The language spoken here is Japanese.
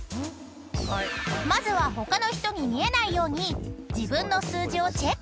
［まずは他の人に見えないように自分の数字をチェック］